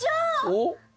おっ？